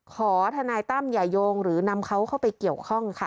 ทนายตั้มอย่าโยงหรือนำเขาเข้าไปเกี่ยวข้องค่ะ